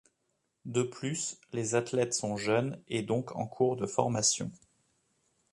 De plus, les athlètes sont jeunes et donc en cours de formation.